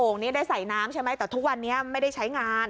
งนี้ได้ใส่น้ำใช่ไหมแต่ทุกวันนี้ไม่ได้ใช้งาน